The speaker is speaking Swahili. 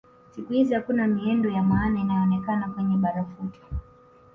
Siku hizi hakuna miendo ya maana inayoonekana kwenye barafuto